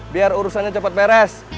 biar urusannya cepet beres